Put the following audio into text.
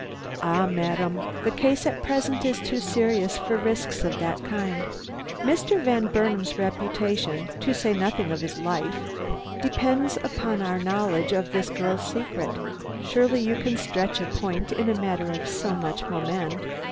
"Ah, madam, the case at present is too serious for risks of that kind. Mr. Van Burnam's reputation, to say nothing of his life, depends upon our knowledge of this girl's secret; surely you can stretch a point in a matter of so much moment?"